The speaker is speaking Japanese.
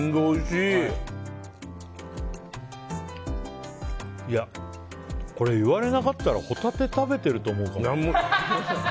いや、これ言われなかったらホタテ食べてると思うかも。